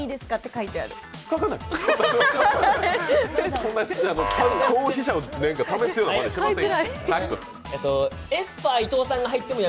そんな消費者を試すようなまねしませんよ。